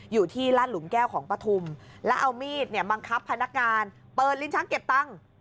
อยู่ที่ลาดหลุมแก้วของปฐุมแล้วเอามีดเนี่ยบังคับพนักงานเปิดลิ้นช้างเก็บตังค์